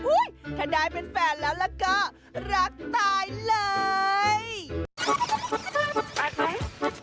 อุ๊ยถ้าได้เป็นแฟนแล้วก็รักตายเลย